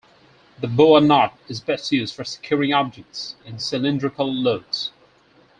The boa knot is best used for securing objects in cylindrical loads.